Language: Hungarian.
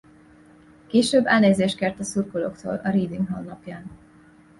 Később elnézést kért a szurkolóktól a Reading honlapján.